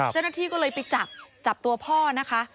เจ้าหน้าที่ก็เลยไปจับจับตัวพ่อนะคะ